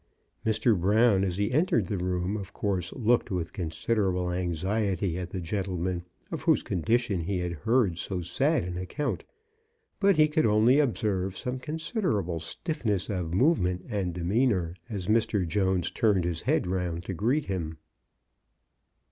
Mr. Brown, as he entered the room, of course looked with considerable anxiety at the gentleman of whose condition he had heard so sad an account; but he could MRS. BROWN DOES ESCAPE. 55 only observe some considerable stiffness of movement and demeanor as Mr, Jones turned his head round to greet him.